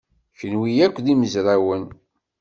Kenwi akk d imezrawen.